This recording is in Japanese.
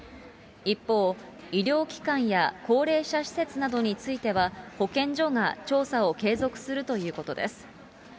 一方、医療機関や高齢者施設などについては、保健所が調査を継続するということです。